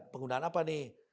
penggunaan apa nih